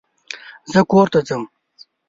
زه کور ته ځم